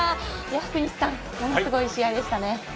福西さんものすごい試合でしたね。